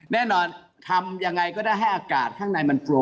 แน่นอนทำยังไงก็ได้ให้อากาศข้างในมันโปร